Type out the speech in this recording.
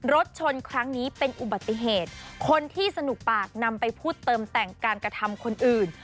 รถชนครั้งนี้เป็นอุบัติเหตุคนที่สนุกปากนำไปพูดเติมแต่งการกระทำคนอื่น